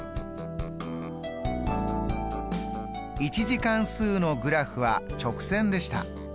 １次関数のグラフは直線でした。